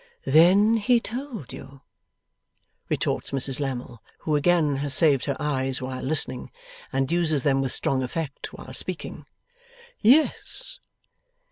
'Then he told you?' retorts Mrs Lammle, who again has saved her eyes while listening, and uses them with strong effect while speaking. 'Yes.